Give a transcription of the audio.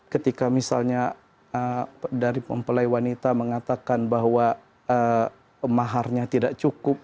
ketika misalnya dari mempelai wanita mengatakan bahwa maharnya tidak cukup